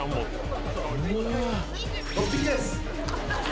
６匹です